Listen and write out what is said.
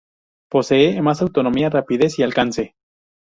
Posee más autonomía, rapidez y alcance.